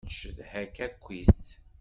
Ncedha-k akkit.